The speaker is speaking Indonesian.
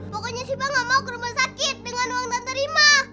pokoknya sifah gak mau ke rumah sakit dengan uang yang tak terima